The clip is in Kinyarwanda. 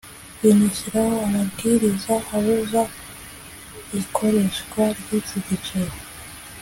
binashyiraho amabwiriza abuza ikoreshwa ry’iki giceri